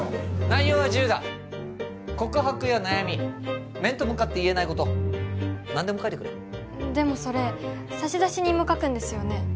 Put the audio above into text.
内容は自由だ告白や悩み面と向かって言えないこと何でも書いてくれでもそれ差出人も書くんですよね？